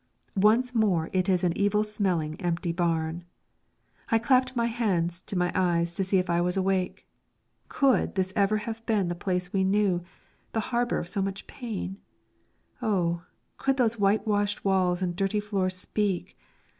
Once more it is an evil smelling empty barn. I clapped my hands to my eyes to see if I was awake. Could this ever have been the place we knew, the harbour of so much pain! Oh, could those whitewashed walls and dirty floors speak!